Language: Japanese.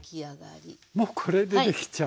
もうこれでできちゃう。